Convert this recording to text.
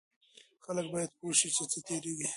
خلک باید پوه شي چې څه تیریږي.